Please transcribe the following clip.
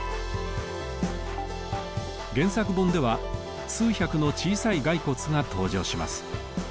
原作本では数百の小さい骸骨が登場します。